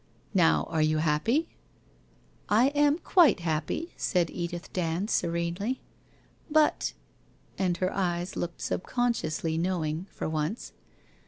Now, are you happy ?' 'I am quite happy/ said Edith Dand serenely. * But ' And her eyes looked subconsciously knowing, for once.